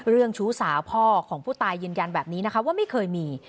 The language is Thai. เรื่องชูสาวพ่อของผู้ตายยืนยันแบบนี้ว่าไม่เคยมี